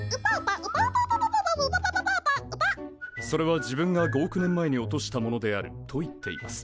「それは自分が５億年前に落としたものである」と言っています。